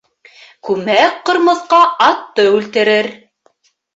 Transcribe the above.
Күмәк ҡырмыҫҡа атты үлтерер.